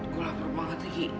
gue lapar banget nih ki